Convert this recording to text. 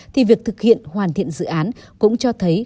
thì việc thực hiện hoàn thiện dự án cũng cho thấy